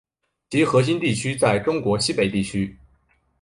其核心地区在中国西北地区。